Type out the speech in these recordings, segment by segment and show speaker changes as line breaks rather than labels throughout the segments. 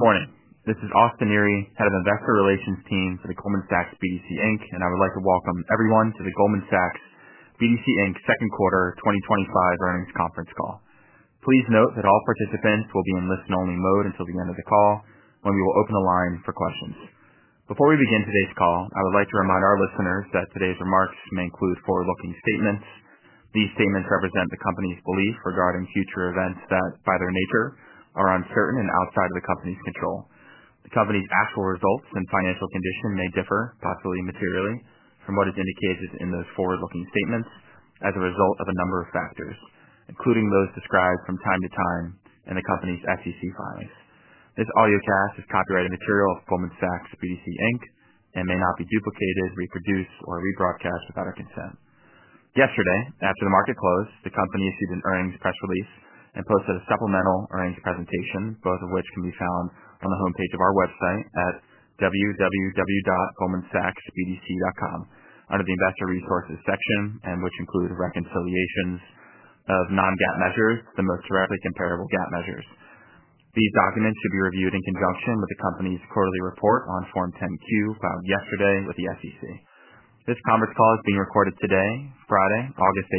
Good morning. This is Austin Neri, Head of the Vector Relations team for Goldman Sachs BDC Inc. and I would like to welcome everyone to the Goldman Sachs BDC Inc. Second Quarter 2025 Earnings Conference Call. Please note that all participants will be in listen-only mode until the end of the call, when we will open the line for questions. Before we begin today's call, I would like to remind our listeners that today's remarks may include forward-looking statements. These statements represent the company's belief regarding future events that, by their nature, are uncertain and outside of the company's control. The company's actual results and financial condition may differ, possibly materially, from what is indicated in those forward-looking statements as a result of a number of factors, including those described from time to time in the company's SEC filings. This audio cast is copyrighted material of Goldman Sachs BDC Inc. and may not be duplicated, reproduced, or rebroadcast without our consent. Yesterday, after the market closed, the company issued an earnings press release and posted a supplemental earnings presentation, both of which can be found on the homepage of our website at www.goldmansachsbdc.com under the Investor Resources section, and which include reconciliations of non-GAAP measures to the most directly comparable GAAP measures. These documents should be reviewed in conjunction with the company's quarterly report on Form 10-Q filed yesterday with the SEC. This conference call is being recorded today, Friday, August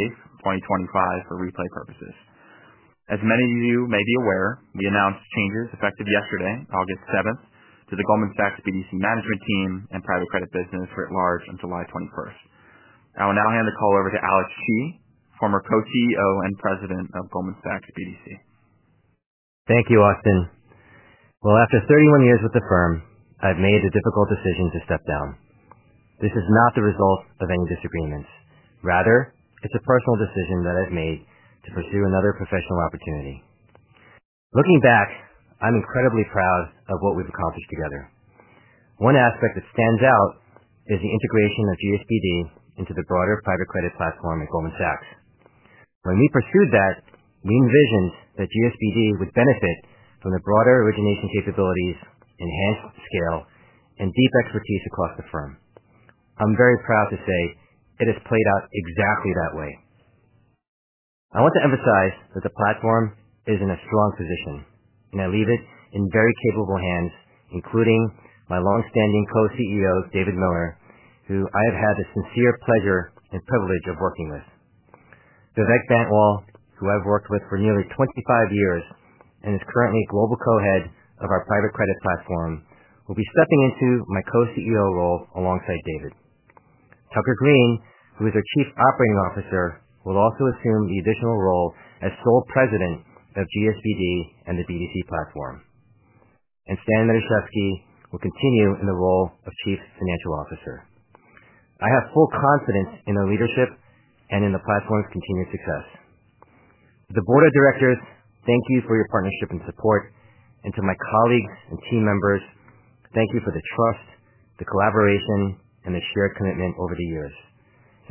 8, 2025, for replay purposes. As many of you may be aware, we announced changes effective yesterday, August 7, to the Goldman Sachs BDC Inc. management team and private credit business writ large on July 21. I will now hand the call over to Alex Chi, former Co-CEO and President of Goldman Sachs BDC Inc.
Thank you, Austin. After 31 years with the firm, I've made the difficult decision to step down. This is not the result of any disagreements. Rather, it's a personal decision that I've made to pursue another professional opportunity. Looking back, I'm incredibly proud of what we've accomplished together. One aspect that stands out is the integration of Goldman Sachs BDC Inc. into the broader private credit platform at Goldman Sachs. When we pursued that, we envisioned that Goldman Sachs BDC Inc. would benefit from the broader origination capabilities, enhanced scale, and deep expertise across the firm. I'm very proud to say it has played out exactly that way. I want to emphasize that the platform is in a strong position, and I leave it in very capable hands, including my longstanding Co-CEO, David Miller, who I have had the sincere pleasure and privilege of working with. Vivek Bantwal, who I've worked with for nearly 25 years and is currently Global Co-Head of our private credit platform, will be stepping into my Co-CEO role alongside David. Tucker Greene, who is our Chief Operating Officer, will also assume the additional role as sole President of Goldman Sachs BDC Inc. and the BDC platform. Stanley Matuszewski will continue in the role of Chief Financial Officer. I have full confidence in our leadership and in the platform's continued success. To the board of directors, thank you for your partnership and support. To my colleagues and team members, thank you for the trust, the collaboration, and the shared commitment over the years.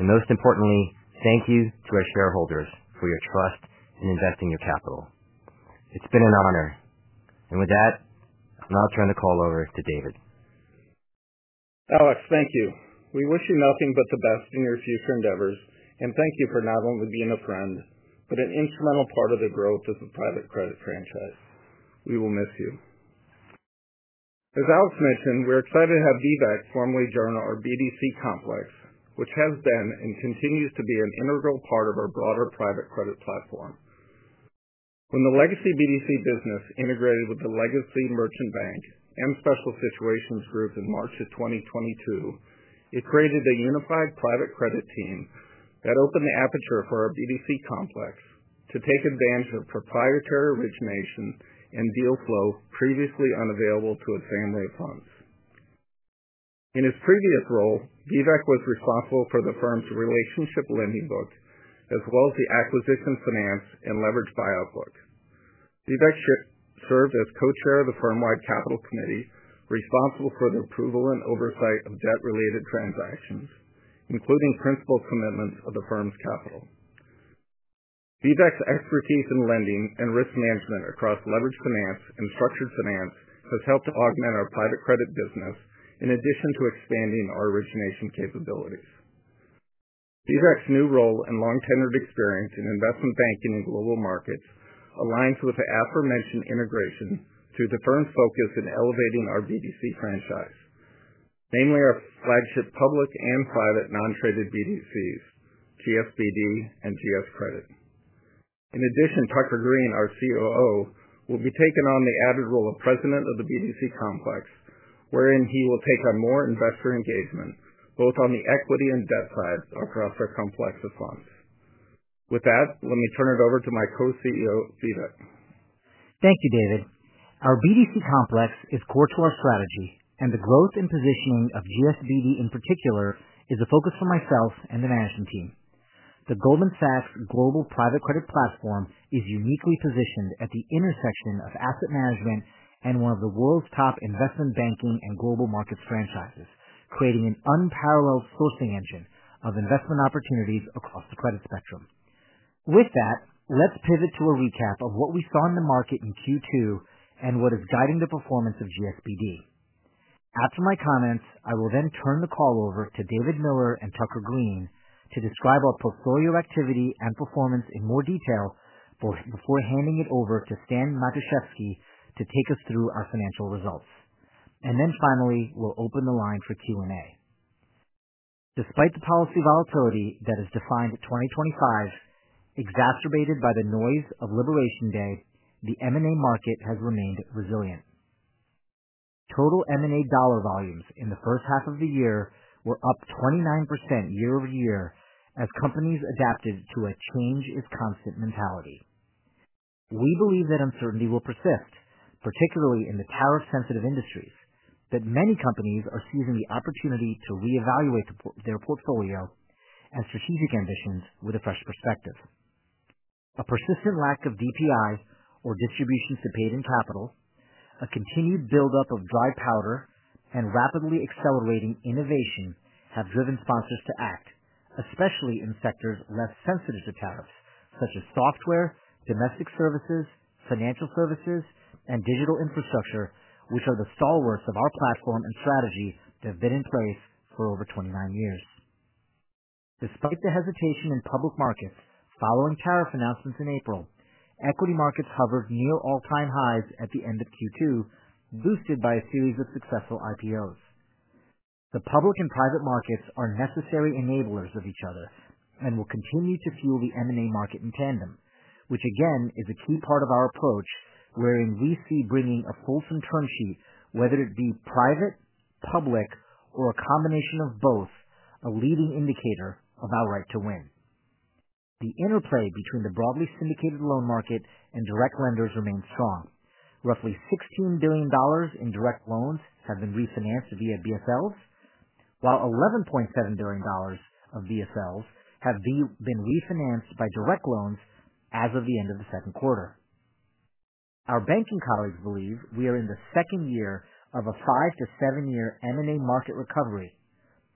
Most importantly, thank you to our shareholders for your trust in investing your capital. It's been an honor. With that, I'll now turn the call over to David.
Alex, thank you. We wish you nothing but the best in your future endeavors, and thank you for not only being a friend but an instrumental part of the growth of the private credit franchise. We will miss you. As Alex mentioned, we're excited to have Vivek formally join our BDC complex, which has been and continues to be an integral part of our broader private credit platform. When the legacy BDC business integrated with the legacy merchant banking and special situations group in March of 2022, it created a unified private credit team that opened the aperture for our BDC complex to take advantage of proprietary origination and deal flow previously unavailable to its family of funds. In his previous role, Vivek was responsible for the firm's relationship lending book, as well as the acquisition finance and leveraged buyout book. Vivek served as Co-Chair of the firm-wide capital committee, responsible for the approval and oversight of debt-related transactions, including principal commitments of the firm's capital. Vivek's expertise in lending and risk management across leveraged finance and structured finance has helped to augment our private credit business in addition to expanding our origination capabilities. Vivek's new role and long-tenured experience in investment banking in global markets aligns with the aforementioned integration to the firm's focus in elevating our BDC franchise, namely our flagship public and private non-traded BDCs, GSBD, and GS Credit. In addition, Tucker Greene, our COO, will be taking on the added role of President of the BDC complex, wherein he will take on more investor engagement, both on the equity and debt sides of our complex of funds. With that, let me turn it over to my Co-CEO, Vivek.
Thank you, David. Our BDC complex is core to our strategy, and the growth and positioning of GSBD in particular is a focus for myself and the management team. The Goldman Sachs Global Private Credit Platform is uniquely positioned at the intersection of asset management and one of the world's top investment banking and global markets franchises, creating an unparalleled sourcing engine of investment opportunities across the credit spectrum. With that, let's pivot to a recap of what we saw in the market in Q2 and what is guiding the performance of GSBD. After my comments, I will then turn the call over to David Miller and Tucker Greene to describe our portfolio activity and performance in more detail, before handing it over to Stanley Matuszewski to take us through our financial results. Finally, we'll open the line for Q&A. Despite the policy volatility that has defined 2024, exacerbated by the noise of Liberation Day, the M&A market has remained resilient. Total M&A dollar volumes in the first half of the year were up 29% year-over-year as companies adapted to a change-is-constant mentality. We believe that uncertainty will persist, particularly in the tariff-sensitive industries, but many companies are seizing the opportunity to reevaluate their portfolio and strategic ambitions with a fresh perspective. A persistent lack of DPI, or distributions to paid-in capital, a continued buildup of dry powder, and rapidly accelerating innovation have driven sponsors to act, especially in sectors less sensitive to tariffs, such as software, domestic services, financial services, and digital infrastructure, which are the stalwarts of our platform and strategy that have been in place for over 29 years. Despite the hesitation in public markets following tariff announcements in April, equity markets hovered near all-time highs at the end of Q2, boosted by a series of successful IPOs. The public and private markets are necessary enablers of each other and will continue to fuel the M&A market in tandem, which again is a key part of our approach, wherein we see bringing a fulsome term sheet, whether it be private, public, or a combination of both, a leading indicator of our right to win. The interplay between the broadly syndicated loan market and direct lenders remains strong. Roughly $16 billion in direct loans have been refinanced via BSLs, while $11.7 billion of BSLs have been refinanced by direct loans as of the end of the second quarter. Our banking colleagues believe we are in the second year of a five-to-seven-year M&A market recovery,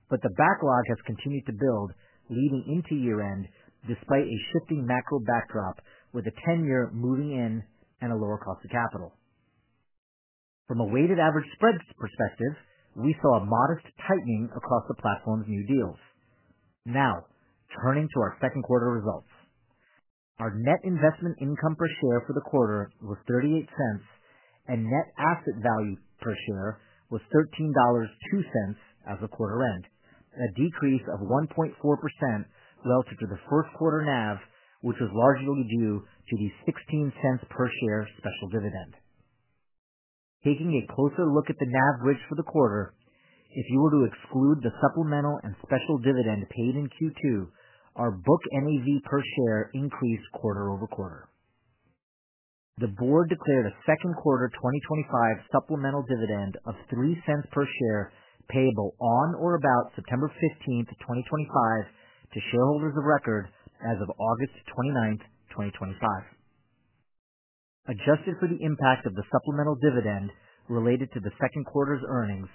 but the backlog has continued to build leading into year-end, despite a shifting macro backdrop with a 10-year moving in and a lower cost of capital. From a weighted average spreads perspective, we saw a modest tightening across the platform's new deals. Now, turning to our second quarter results, our net investment income per share for the quarter was $0.38, and net asset value per share was $13.02 as of the quarter end, a decrease of 1.4% relative to the first quarter NAV, which was largely due to the $0.16 per share special dividend. Taking a closer look at the NAV rates for the quarter, if you were to exclude the supplemental and special dividend paid in Q2, our book NAV per share increased quarter-over-quarter. The Board declared a second quarter 2025 supplemental dividend of $0.03 per share payable on or about September 15, 2025, to shareholders of record as of August 29, 2025. Adjusted for the impact of the supplemental dividend related to the second quarter's earnings,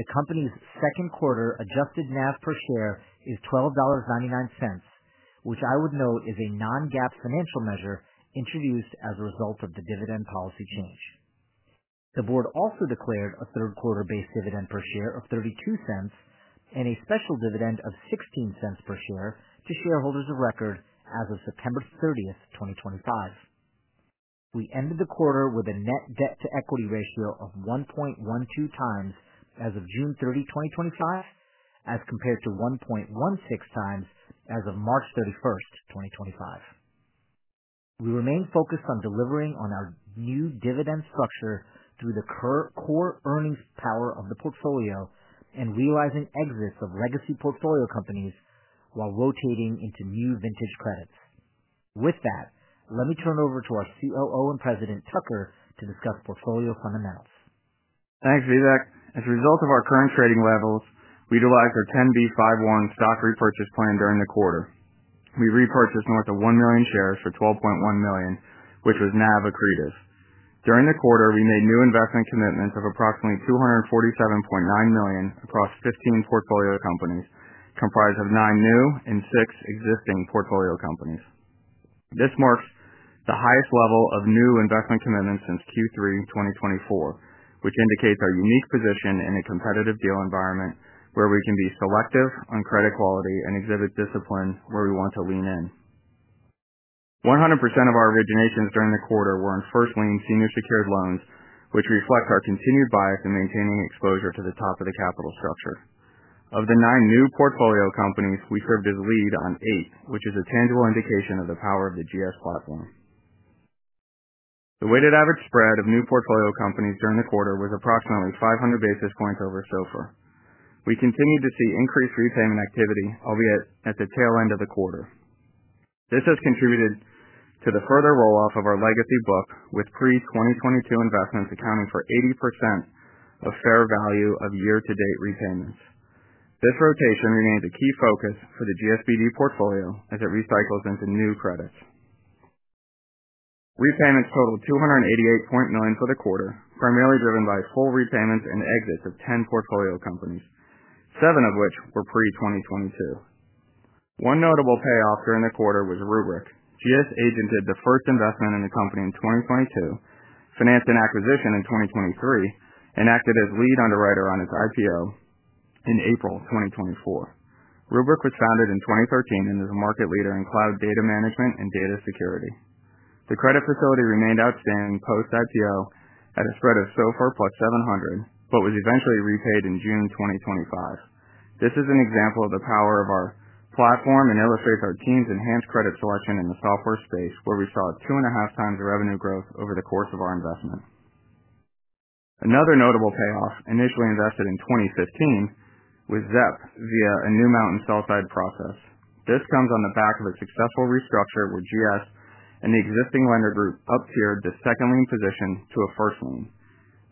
the company's second quarter adjusted NAV per share is $12.99, which I would note is a non-GAAP financial measure introduced as a result of the dividend policy change. The Board also declared a third-quarter base dividend per share of $0.32 and a special dividend of $0.16 per share to shareholders of record as of September 30, 2025. We ended the quarter with a net debt-to-equity ratio of 1.12 times as of June 30, 2025, as compared to 1.16 times as of March 31, 2025. We remain focused on delivering on our new dividend structure through the core earnings power of the portfolio and realizing exits of legacy portfolio companies while rotating into new vintage credits. With that, let me turn over to our COO and President, Tucker, to discuss portfolio fundamentals.
Thanks, Vivek. As a result of our current trading levels, we utilized our 10b5-1 stock repurchase plan during the quarter. We repurchased north of 1 million shares for $12.1 million, which was NAV accretive. During the quarter, we made new investment commitments of approximately $247.9 million across 15 portfolio companies, comprised of nine new and six existing portfolio companies. This marks the highest level of new investment commitments since Q3 2024, which indicates our unique position in a competitive deal environment where we can be selective on credit quality and exhibit disciplines where we want to lean in. 100% of our originations during the quarter were in first lien senior secured loans, which reflect our continued bias in maintaining exposure to the top of the capital structure. Of the nine new portfolio companies, we served as lead on eight, which is a tangible indication of the power of the GS platform. The weighted average spread of new portfolio companies during the quarter was approximately 500 basis points over SOFR. We continued to see increased repayment activity, albeit at the tail end of the quarter. This has contributed to the further roll-off of our legacy book, with pre-2022 investments accounting for 80% of fair value of year-to-date repayments. This rotation remains a key focus for the GSBD portfolio as it recycles into new credits. Repayments totaled $288.9 million for the quarter, primarily driven by full repayments and exits of 10 portfolio companies, seven of which were pre-2022. One notable payoff during the quarter was Rubrik. GS agented the first investment in the company in 2022, financed an acquisition in 2023, and acted as lead underwriter on its IPO in April 2024. Rubrik was founded in 2013 and is a market leader in cloud data management and data security. The credit facility remained outstanding post-IPO at a spread of SOFR +700, but was eventually repaid in June 2025. This is an example of the power of our platform and illustrates our team's enhanced credit selection in the software space, where we saw two and a half times revenue growth over the course of our investment. Another notable payoff, initially invested in 2015, was Zepp via a new mount and salt side process. This comes on the back of a successful restructure where GS and the existing lender group upsized the second lien position to a first lien.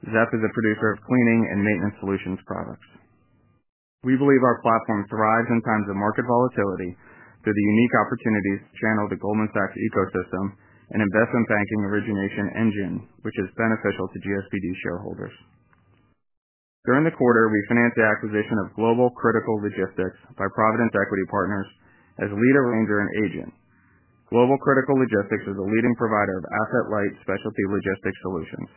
Zepp is a producer of cleaning and maintenance solutions products. We believe our platform thrives in times of market volatility through the unique opportunities channeled the Goldman Sachs ecosystem and investment banking origination engine, which is beneficial to GSBD shareholders. During the quarter, we financed the acquisition of Global Critical Logistics by Provident Equity Partners as lead arranger and agent. Global Critical Logistics is a leading provider of asset-light specialty logistics solutions.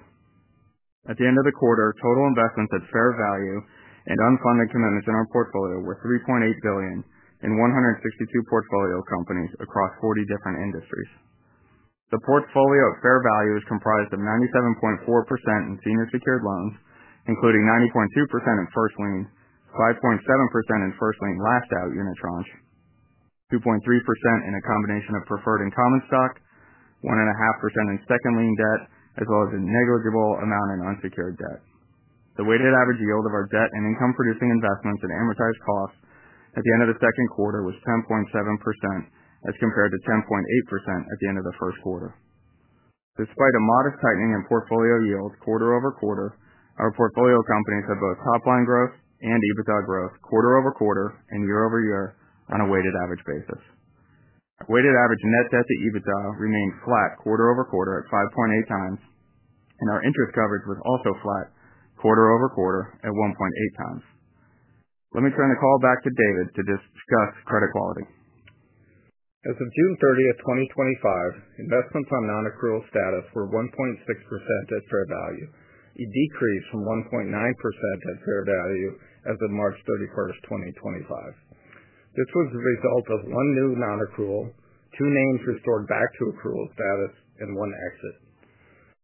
At the end of the quarter, total investments at fair value and unfunded commitments in our portfolio were $3.8 billion in 162 portfolio companies across 40 different industries. The portfolio at fair value is comprised of 97.4% in senior secured loans, including 90.2% in first lien, 5.7% in first lien last out unitranche, 2.3% in a combination of preferred and common stock, 1.5% in second lien debt, as well as a negligible amount in unsecured debt. The weighted average yield of our debt and income-producing investments and amortized cost at the end of the second quarter was 10.7% as compared to 10.8% at the end of the first quarter. Despite a modest tightening in portfolio yields quarter-over-quarter, our portfolio companies had both top-line growth and EBITDA growth quarter-over-quarter and year-over-year on a weighted average basis. Weighted average net debt-to-EBITDA remained flat quarter-over-quarter at 5.8 times, and our interest coverage was also flat quarter-over-quarter at 1.8 times. Let me turn the call back to David to discuss credit quality.
As of June 30, 2025, investments on non-accrual status were 1.6% at fair value. It decreased from 1.9% at fair value as of March 31, 2025. This was the result of one new non-accrual, two names restored back to accrual status, and one exit.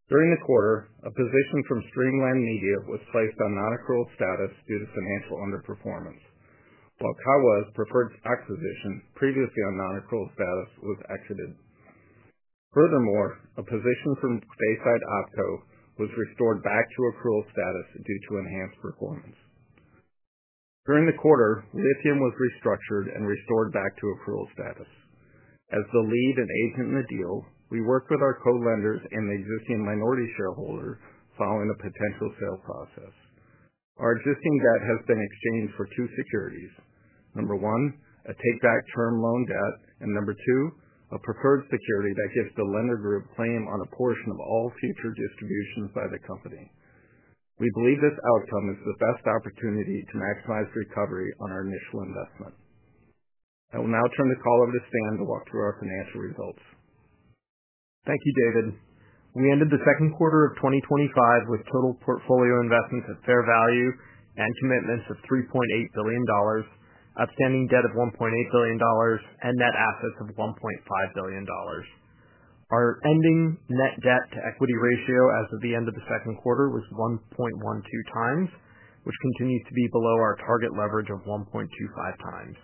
During the quarter, a position from Streamline Media was placed on non-accrual status due to financial underperformance, while Kawa Solar's preferred acquisition, previously on non-accrual status, was exited. Furthermore, a position from Bayside Opco was restored back to accrual status due to enhanced performance. During the quarter, Lithium was restructured and restored back to accrual status. As the lead and agent in the deal, we worked with our co-lenders and the existing minority shareholder following a potential sale process. Our existing debt has been exchanged for two securities: number one, a take-back term loan debt, and number two, a preferred security that gives the lender group claim on a portion of all future distributions by the company. We believe this outcome is the best opportunity to maximize recovery on our initial investment. I will now turn the call over to Stan to walk through our financial results.
Thank you, David. We ended the second quarter of 2025 with total portfolio investments at fair value and commitments of $3.8 billion, outstanding debt of $1.8 billion, and net assets of $1.5 billion. Our ending net debt-to-equity ratio as of the end of the second quarter was 1.12 times, which continued to be below our target leverage of 1.25 times.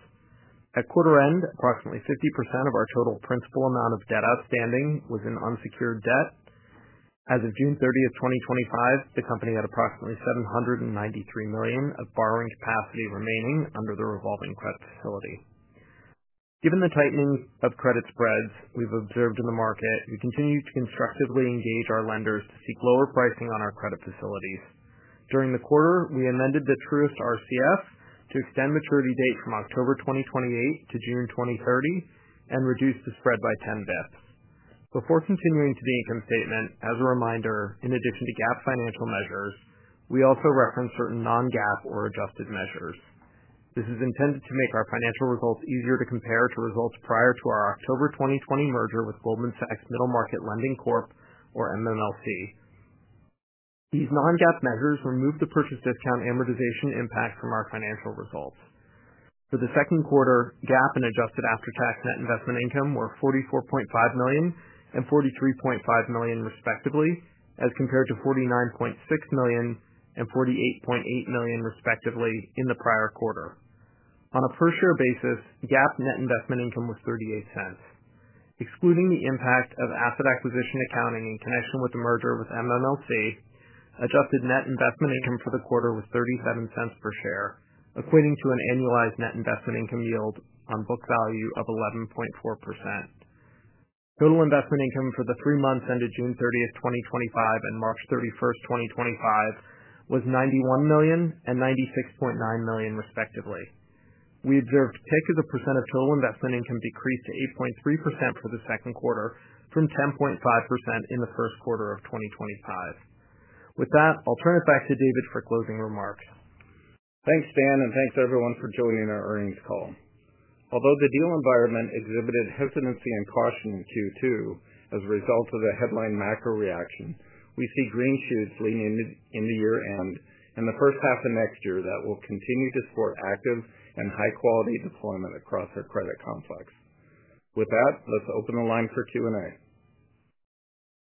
At quarter end, approximately 50% of our total principal amount of debt outstanding was in unsecured debt. As of June 30, 2025, the company had approximately $793 million of borrowing capacity remaining under the revolving credit facility. Given the tightening of credit spreads we've observed in the market, we continue to constructively engage our lenders to seek lower pricing on our credit facilities. During the quarter, we amended the Truce RCF to extend the maturity date from October 2028 to June 2030 and reduce the spread by 10 basis points. Before continuing to the income statement, as a reminder, in addition to GAAP financial measures, we also reference certain non-GAAP or adjusted measures. This is intended to make our financial results easier to compare to results prior to our October 2020 merger with Goldman Sachs Middle Market Lending Corp, or MMLC. These non-GAAP measures remove the purchase discount amortization impact from our financial results. For the second quarter, GAAP and adjusted after-tax net investment income were $44.5 million and $43.5 million, respectively, as compared to $49.6 million and $48.8 million, respectively, in the prior quarter. On a per-share basis, GAAP net investment income was $0.38. Excluding the impact of asset acquisition accounting in connection with the merger with MMLC, adjusted net investment income for the quarter was $0.37 per share, equating to an annualized net investment income yield on book value of 11.4%. Total investment income for the three months ended June 30, 2025, and March 31, 2025, was $91 million and $96.9 million, respectively. We observed a percentage of total investment income decrease to 8.3% for the second quarter from 10.5% in the first quarter of 2025. With that, I'll turn it back to David for closing remarks.
Thanks, Stan, and thanks everyone for joining our earnings call. Although the deal environment exhibited hesitancy and caution in Q2 as a result of the headline macro reaction, we see green shoots leading into year-end and the first half of next year that will continue to support active and high-quality deployment across our credit complex. With that, let's open the line for Q&A.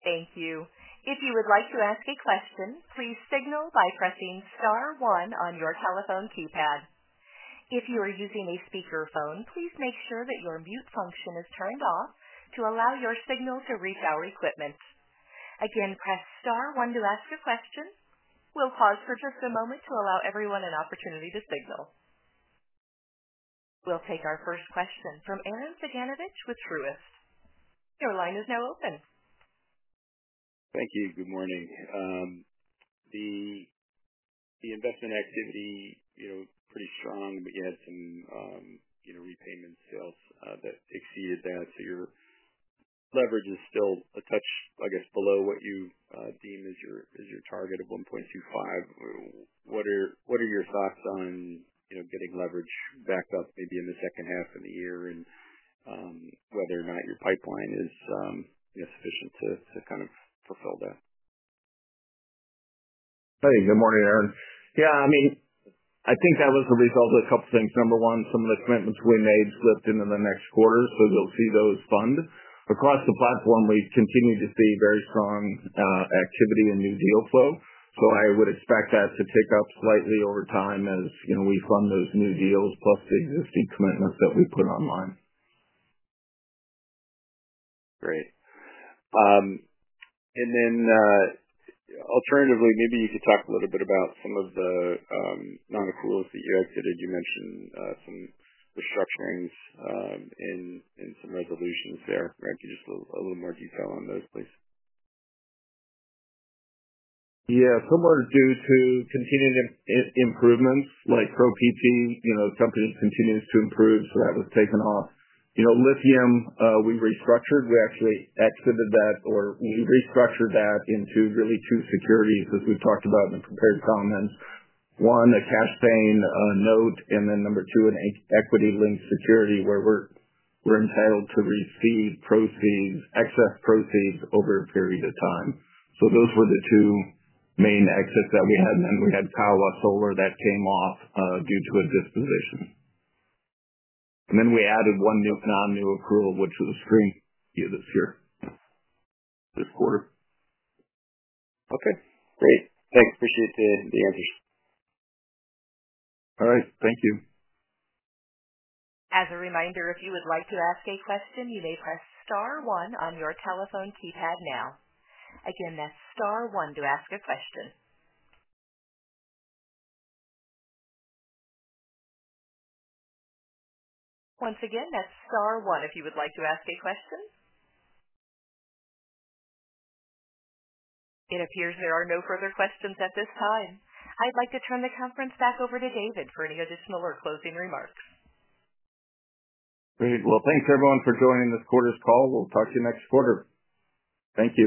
Thank you. If you would like to ask a question, please signal by pressing star one on your telephone keypad. If you are using a speaker phone, please make sure that your mute function is turned off to allow your signal to reach our equipment. Again, press star one to ask your question. We'll pause for just a moment to allow everyone an opportunity to signal. We'll take our first question from [Aaron Faganovich with Truist. Your line is now open. Thank you. Good morning. The investment activity is pretty strong. We have some repayment sales that exceeded that. Your leverage is still a touch, I guess, below what you deem as your target of 1.25. What are your thoughts on getting leverage back up maybe in the second half of the year and whether or not your pipeline is sufficient to kind of fulfill that?
Hey, good morning, Aaron. I think that was the result of health strength. Number one, some of the commitments we made slipped into the next quarter, so we'll see those fund. Across the platform, we continue to see very strong activity in new deal flow. I would expect that to pick up slightly over time as we fund those new deals plus the existing commitments that we put online. Great. Alternatively, maybe you could talk a little bit about some of the non-accruals that you're able to do. You mentioned some restructurings and some resolutions there. Can you give just a little more detail on those, please? Yeah, some are due to continued improvements like ProPT, you know, the company continues to improve, so that was taken off. Lithium, we restructured. We actually extended that or we restructured that into really two securities as we've talked about in the prepared comments. One, the cash paying note, and number two, an equity linked security where we're entitled to receive proceeds, excess proceeds over a period of time. Those were the two main exits that we had. We had Kawa Solar that came off due to a disposition. We added one new non-accrual, which was a strength year this year. Okay, great. Thanks for keeping the energy All right. Thank you.
As a reminder, if you would like to ask a question, you may press star one on your telephone keypad now. Again, that's star one to ask a question. Once again, that's star one if you would like to ask a question. It appears there are no further questions at this time. I'd like to turn the conference back over to David for any additional or closing remarks.
Great. Thanks everyone for joining this quarter's call. We'll talk to you next quarter. Thank you.